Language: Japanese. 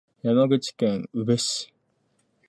山口県宇部市